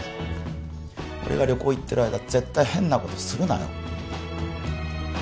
俺が旅行行ってる間絶対変なことするなよ